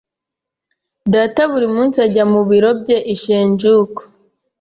Data buri munsi ajya mu biro bye i Shinjuku.